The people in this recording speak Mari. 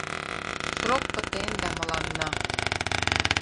Срок пытен да мыланна